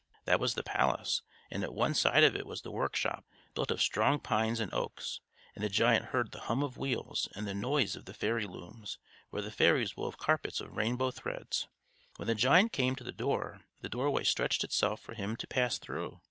That was the palace; and at one side of it was the workshop, built of strong pines and oaks; and the giant heard the hum of wheels, and the noise of the fairy looms, where the fairies wove carpets of rainbow threads. When the giant came to the door, the doorway stretched itself for him to pass through.